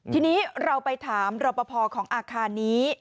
ทีนี้เราไปถามรอปภของอาคารนี้